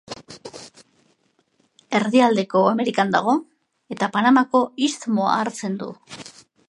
Erdialdeko Amerikan dago, eta Panamako istmoa hartzen du.